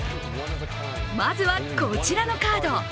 まずは、こちらのカード。